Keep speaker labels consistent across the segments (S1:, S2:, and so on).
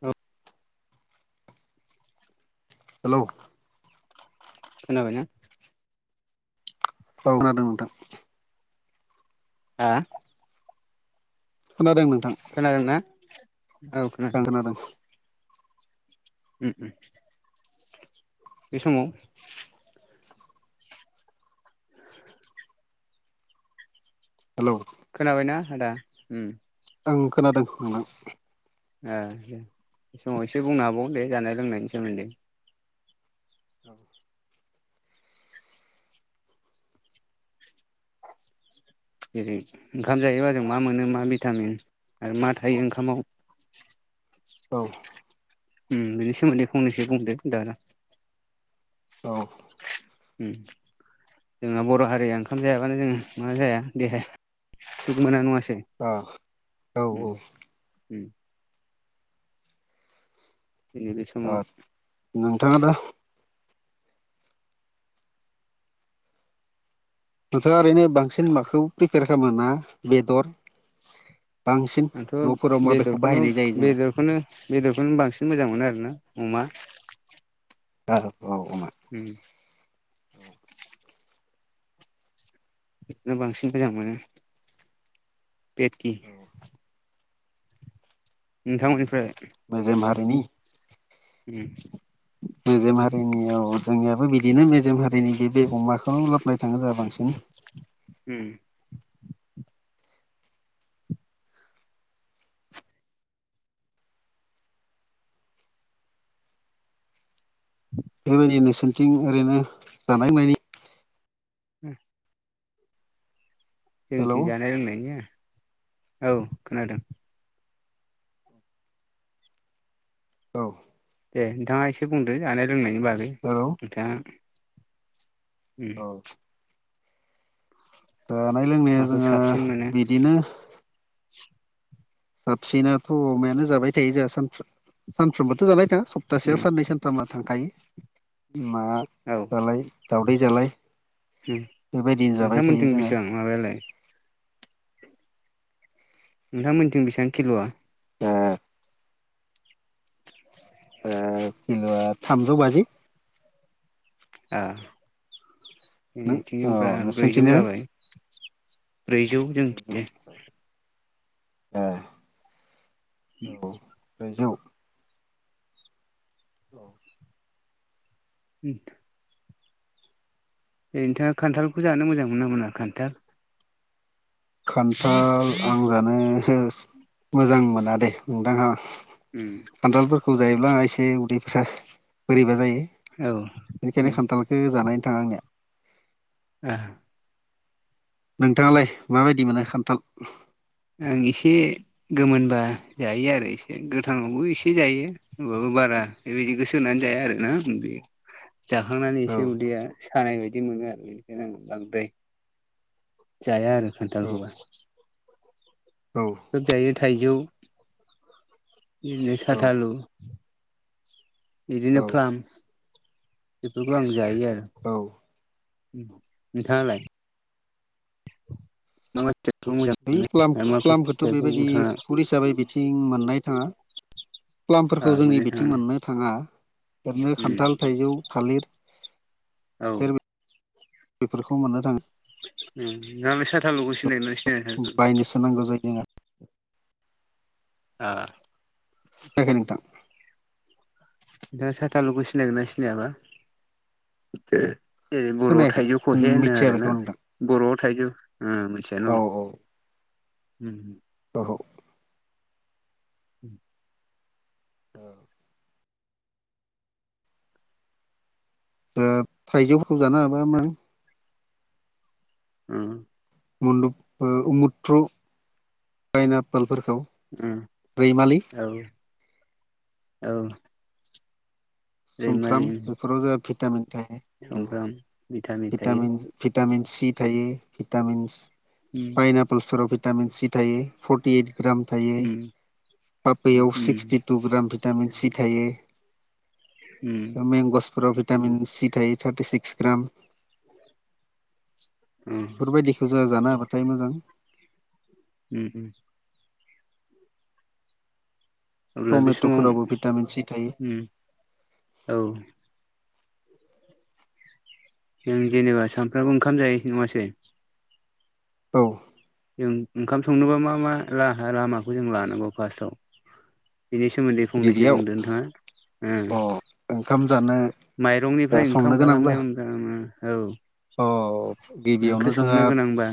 S1: औ
S2: हेलौ
S1: खोनाबायना
S2: औ खोनादों नोंथां
S1: आ
S2: खोनादों नोंथां
S1: खोनादोंना औ खोनादों उम अम बे समाव [inaudible]
S2: हेलौ
S1: खोनाबायना आदा
S2: आं खोनादों [unintelligible]
S1: ओ दे बे समाव एसे बुंनो हाबावो दे जानाय लोंनायनि सोमोन्दै
S2: औ
S1: जेरै ओंखाम जायोबा जों मा मोनो मा भिटामिन आरो मा थायो ओंखामाव [inaudible]
S2: औ
S1: उम बिनि सोमोन्दै फंनैसो बुंंद दा
S2: औ
S1: उम जोंहा बर' हारिया ओंखाम जायाबानो जों मा जाया देहाया सुग मोना नङासास
S2: औ औ औ
S1: उम दिनै बे समाव
S2: नोंथां आदा नोंथाङा ओरैनो बांसिन माखौ प्रिपेयार खालामो ना बेदर बांसिन
S1: आंथ'
S2: न'फोराव माबेखौ
S1: बेदरखौनो
S2: बाहायनाय जायो जोङो
S1: बेरखौनो बेदरखौनो बांसिन मोजां मोनो आरोना अमा
S2: औ अमा
S1: उम बिदिनो बांसिन फोजां मोनो बेकि
S2: ओम मजे मारिनि
S1: उम
S2: मेजेम हारिनियाव जोंनियाबो बिदिनो मेजेम हारिनि बेगमाखौ लाबलाय थाङो जों बांसिन
S1: उम
S2: बेबायदि नोंसोरनिथिं ओरैनो जानाय लोंनायनि
S1: उम
S2: हेलौ
S1: जोंनिथिं जानाय लोंनायनि औ खोनादों
S2: औ
S1: दे नोंथाङा एसे बुंदो जानाय लोंनायनि बागै
S2: हेलौ
S1: नोंथाङा उम
S2: जानाय लोंनाया
S1: माखौ
S2: जोङो
S1: साबसिन मोनो
S2: बिदिनो साबसिनाथ' अमायानो जाबाय थायो जोंहा सानफ सानफ्रामबोथ' जाबाय थांया सप्तासेयाव
S1: उम
S2: साननै सानथामा थांखायो ना
S1: औ
S2: जालाय दावदै जालाय
S1: उम
S2: बेबायदिनो जाबाय थायो
S1: नोंथांमोनथिं
S2: जोंङो
S1: बेसेबां माबायालाय नोंथांमोनथिं बेसेबां खेल
S2: दा किल'आ थामजौ बाजि
S1: [unintelligible]
S2: नों
S1: बिथिं
S2: अ
S1: होनबा ब्रैजौ
S2: नोंसोरनिथिंनिलाय
S1: जाबाय ब्रैजौ
S2: ब्रैजौ
S1: जोंथिं
S2: [unintelligible]
S1: उ [unintelligible]
S2: औ ब्रैजौ औ
S1: उ [unintelligible] नोंथाङा खान्थालखौ जानो मोजां मोनो ना मोना खान्थाल
S2: खान्थाल आं जानो मोजां मोना दे नोंथांहा
S1: उम
S2: खान्थालफोरखौ जायोब्ला एसे उदैफोरा बोरैबा जायो
S1: औ
S2: बेनिखायनो
S1: उम
S2: खान्थालखौ जानायनोथाङा आंनिया
S1: [inaudible]
S2: नोंथाङालाय माबायदि मोनो खान्थाल
S1: आं एसे गोमोनबा जायो आरो एसे गोथां आवबो एसे जायो होमबाबो बारा बेबायदि [unintelligible] नानै जाया आरो ना
S2: औ
S1: बे जाखांनानै
S2: औ
S1: एसे उदैया सानाय बायदि मोनो आरो बेनिफ्रायनो आं बांद्राय जाया आरो खान्थालखौबा
S2: औ
S1: खोब जायो थाइजौ [unintelligible]
S2: औ
S1: थालु बिदिनो
S2: औ
S1: फ्लाम बेफोरखौ आं जायो
S2: औ
S1: नोंथाङालाय मा मा फिथाइखौ मोजां
S2: बै प्ला
S1: आरो मा
S2: प्लाखौथ'
S1: फिथाइखौ
S2: बेबायदि
S1: नोंथाङा
S2: [unintelligible] थिं मोननाय थाङा
S1: ओ
S2: प्लाफोरखौ जोंनि
S1: मोननो थाङा
S2: बिथिं मोननो थाङा ओरैनो
S1: उम
S2: खान्थाल थाइजौ थालिर
S1: औ
S2: बिसोर बेफोरखौ मोननो थाङो
S1: [unintelligible] साथालुखौ सिनायो ना सिनाया
S2: बायनोसो नांगौ जायो जोंहा
S1: आ
S2: खोनायाखै नोंथां
S1: [unintelligible] सेथालुखौ सिनायगोन ना सिनायाबा जेरै बर'
S2: खोनायाखै
S1: थाइजौ खहे होनो
S2: मिथिया
S1: आरो ना
S2: बेखौ नोंथां
S1: बर' थाइजौ उम मोनथिया न
S2: औ औ औ ओ
S1: [inaudible]
S2: औ दा थाइजौफोरखौ जानो हाबामो
S1: उम
S2: मुलुग ओ मुथ्रु पाइनापोल फोर खौ रैमालि
S1: औ औ
S2: सुमफ्राम
S1: रैमालि
S2: बेफोराव जों भिटामिन थायो
S1: सुमफ्राम मिथा मिथायो
S2: भिटामिन भिटामिन सि थायो भिटामिन
S1: उम
S2: पाइनापोलफोराव टामिन सि थायो फर्टि इट ग्राम थायो
S1: उम
S2: पाफैयाव
S1: उम
S2: sixty two gram vitamin C थायो।
S1: उम
S2: मेगसफोराव भिटामिन सि थायो थार्टि सिक्स ग्राम।
S1: उम
S2: बेफोरबायदिखौ जोंहा जानो हाबाथाय मोजां।
S1: उम अब्ला बे समाव
S2: टमेट'फोरावबो भिटामिन सि थायो
S1: औ जों जेनेबा सामफ्रामबो ओंखाम जायोसै नङासै।
S2: औ
S1: जों ओंखाम संनोबा मा मा लामाखौ जों लानांगौ फार्स्टआव? बिनि सोमोन्दै फंनैसो
S2: गिबियाव
S1: बुंद नोंथाङा।
S2: अ ओंखाम जानो ओ
S1: माइरंनिफ्राय ओंखाम
S2: संनो गोनांब्ला
S1: खालामनायाव ओ औ।
S2: अ गिबियावनो
S1: ओंख्रि
S2: जोङो
S1: संनो गोनांबा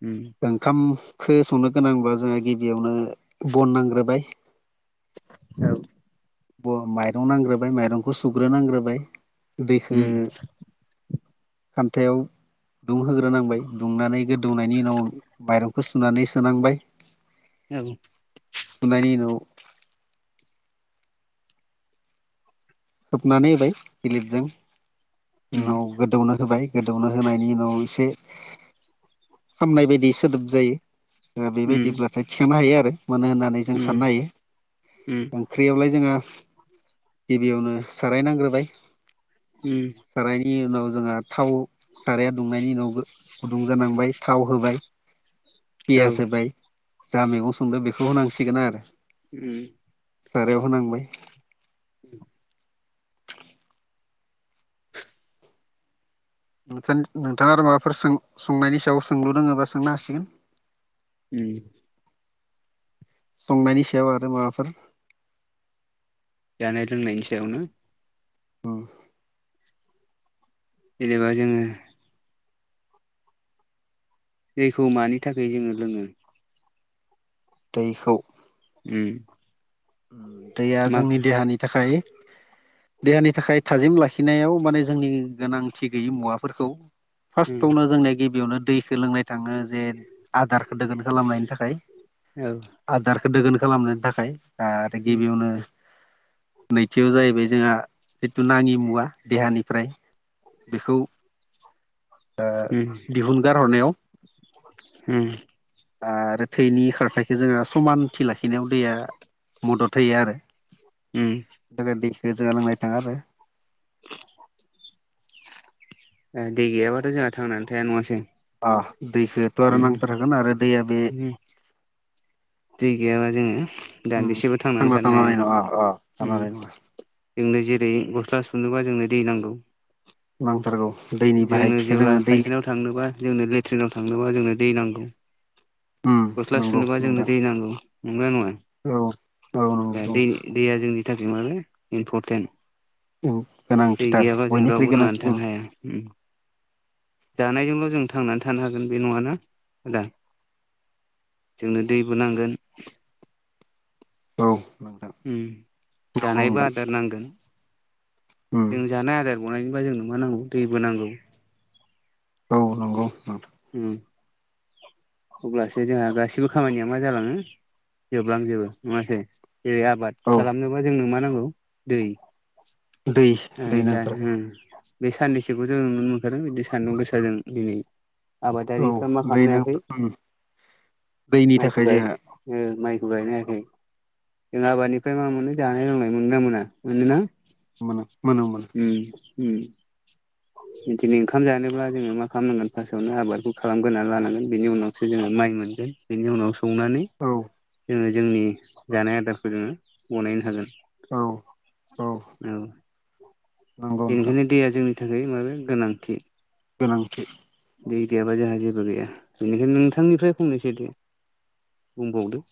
S1: औ
S2: ओंखामखौ संनो गोनांब्ला जोंहा गिबियावनो बन नांग्रोबाय।
S1: औ
S2: माइरं नांग्रोबाय माइरंखौ सुग्रोनांग्रोबाय। दैखो खामथायाव दुंहोग्रोनांबाय दुंनानै गोदौनायनि उनाव माइरंखौ सुनानै सोनांबाय। खांनायनि उनाव होबनानै होबाय गिलिरजों। उनाव गोदौनो होबाय गोदौनो होनायनि उनाव एसे खामनाय बायदि सोदोब जायो। ज बेबायदिब्लाथाय थिखांनो हायो आरो मानो होननानै जों साननो हायो। ओंख्रियावलाय जोंहा गिबियावनो सारायनांग्रोबाय
S1: उम
S2: नि उनाव जोंहा थाव साराया दुंनायनि उनावबो गुदुं जानांबाय थाव होबाय। पियास होबाय जा मैगं संद बेखौ होनांसिगोन आरो।
S1: उम
S2: सारायाव होनांबाय।
S1: औ
S2: नोंथ नोंथाङा आरो माबाफोरों संनायनि सायाव सोंलु रोङोबा सोंनो हासिगोन।
S1: उम
S2: संनायनि सायाव आरो माबाफोर
S1: जानाइआथ नोंनि मसे आवनो।
S2: ओ
S1: जेनेबा जोङो दैखौ मानि थाखाय जोङो लोङो?
S2: दैखौ।
S1: उम
S2: दैया
S1: मा
S2: जोंनि देहानि थाखाय देहानि थाखाय थाजिम लाखिनायाव माने जोंनि गोनांथि गैयि मुवाफोरखौ
S1: उम
S2: फार्स्टआवनो जोंनिया गिबियावनो दैखौ लोंनाय थाङो जे आदारखौ दोगोन खालामनायनि थाखाय
S1: औ
S2: आदार दोगोन खालामनायनि थाखाय आरो
S1: उम
S2: गिबियावनो नैथियाव जाहैबाय जोंहा जिथु नाङि मुवा देहानिफ्राय बेखौ ओ दिहुनगार हरनायाव
S1: ओम
S2: आरो थैनि खारथायखौ जोंहा समानथि लाखिनायाव दैया मदद होयो
S1: उम
S2: आरो [unintelligible] गो जालांनाय थाङा आरो
S1: ए दै गैयाबाथ' जोंहा थांनानै थाया नङासो
S2: दैखोथ' आरो नांथारखागोन आरो दैया बे
S1: उम दै गैयाबा जोङो
S2: उम
S1: दान्दिसेबो थांनानै
S2: थांना
S1: थानो हाया।
S2: थानानै नङा अ
S1: ओम
S2: थानानै नङा
S1: जोंनो जेरै गस्ला सुनोबा जोंनो दै नांगौ
S2: औ
S1: जोंनो जेब्ला फाइखानाव थांनोबा जोंनो लेट्रिनाव थांनोबा जोंनो दै नांगौ
S2: उम
S1: गस्ला
S2: नंगौ
S1: सुनोबा जोंनो
S2: नोंथां
S1: दै नांगौ नंगौना नंङा
S2: औ
S1: द
S2: नंगौ
S1: दै दैया जोंनि थाखाय माब
S2: उम
S1: इम्परटेन्ट दै
S2: गोनांथिथार
S1: गैयाबा जों
S2: बयनिख्रुइ
S1: रावबो थांनानै
S2: गोनांथि उम
S1: थानो हाया जानायजोंल' जों थांनानै थानो हागोन बे नङाना आदा जोंनो दैबो नांगोन
S2: औ नोंथां नंगौ
S1: जानायबो
S2: नोंथां
S1: आदार नांगोन
S2: उम
S1: जों जानाय आदार बनायनिबा जोंनो मा नांगौ दैबो नांगौ
S2: औ नंगौ
S1: उम अब्लासो जोंहा गाससिबो खामानिया मा जालाङो जोबलांजोबो नंङासै जेरै आबाद
S2: औ
S1: खालामनोबा जोंनो मा नांगौ दै
S2: दै दै
S1: दा
S2: नांथारगौ
S1: बे साननैसोखौ जों नुनो मोनखादों बिदि सानदुं गोसा जों दिनै
S2: औ
S1: आबादारिफ्रा मा
S2: दै
S1: खालामनो
S2: नां
S1: हायाखै
S2: उम दैनि
S1: माइखौ
S2: थाखाय
S1: गाय
S2: जोंहा
S1: माइखौ गायनो हायाखै जों आबादनिफ्राय मा मोनो जानाय लोंनाय मोनगोना मोना मोनोना
S2: माने
S1: उम उम बिदिनो ओंखाम जानोब्ला जोङो मा खालामनांगोन फार्स्टआवनो आबादखौ खालामग्रोना लानांगोन बिनि उनावसो जोङो माइ मोनगोन बेनि उनाव संनानै
S2: औ
S1: जोङो जोंनि जानाय आदारखौ जोङो गनायनो हागोन
S2: औ
S1: औ
S2: नंगौ नोंथां
S1: बेनिखायनो दैया जोंनि नि थाखाय माबा गोनांथि
S2: गोनांथि
S1: दै गैयाबा जोंहा जेबो गैया बेनिखायनो नोंथांनिफ्राय बुंंनोसै दे बुंबावदो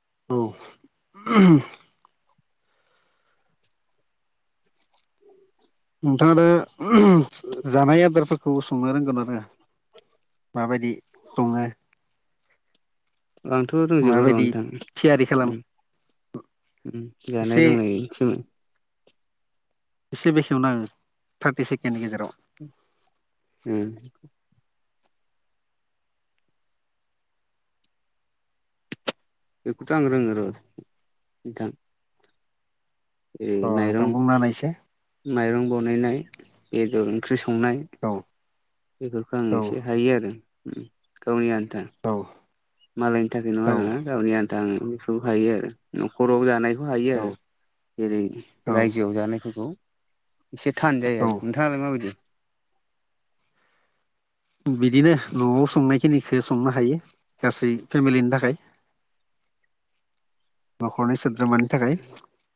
S2: औ नोंथाङ आरो जानाय आदारफोरखौ संनो रोंगोन ना रोङा रो माबायदि सङो
S1: आंथ' रंजोबो र'
S2: माबायदि
S1: नोंथां
S2: थियारि खालामो
S1: जानाय
S2: एसे
S1: लोंनायस
S2: एसे बेखेवना आाङो थार्टि सेकेणडनि गेजेराव
S1: उम बेखौथ आं रोंङो र नोंथां ओरै
S2: औ
S1: माइरं
S2: नोंथां बुंना होनायसाय
S1: माइरं बानायनाय बेदर ओंख्रि स संनाय
S2: औ
S1: बेफोरखौ आं
S2: औ
S1: एसे हायो आरो गावनि आ
S2: औ।
S1: मालायनि थाखाय नङा
S2: औ
S1: आरो ना गावनि आन्थाबो हायो आरो न'खराव जानाय बो हायो
S2: औ
S1: आरो जेरै
S2: औ
S1: रायजोआव जानायफोरखौ एसे थान जायो
S2: औ
S1: आरो नोंथाङालाय माबायदि
S2: बिदिनो न'आव संनाय खिनिखौ संनो हायो। गासै फेमिलिनि थाखाय। न'खरनि सोद्रोमानि थाखाय।